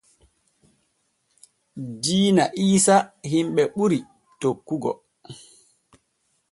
Diina iisa himɓe ɓuri tokkugo.